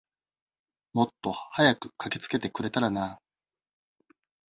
もっと早く駆けつけてくれたらな。